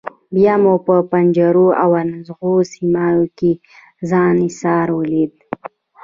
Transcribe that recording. بیا مو په پنجرو او ازغنو سیمانو کې ځان ایسار ولید.